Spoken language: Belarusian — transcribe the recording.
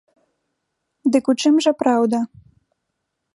Дык у чым жа праўда?